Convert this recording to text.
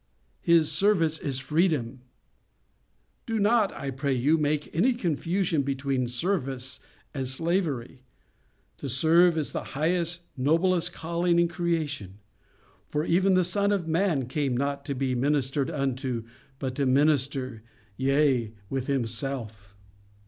His service is freedom. Do not, I pray you, make any confusion between service and slavery. To serve is the highest, noblest calling in creation. For even the Son of man came not to be ministered unto, but to minister, yea, with Himself.